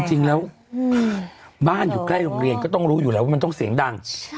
จริงแล้วบ้านอยู่ใกล้โรงเรียนก็ต้องรู้อยู่แล้วว่ามันต้องเสียงดัง